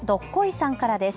さんからです。